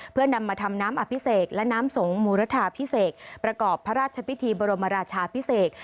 เพื่อนำมาทำน้ำอภิเษกและน้ำสงฆ์มูรทาพิเศษประกอบพระราชพิธีบรมราชาพิเศษ